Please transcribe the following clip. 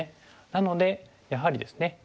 なのでやはりですね